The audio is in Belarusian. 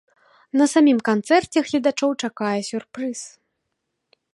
На самім канцэрце гледачоў чакае сюрпрыз.